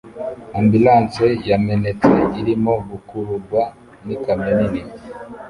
Ambulanse yamenetse irimo gukururwa n'ikamyo nini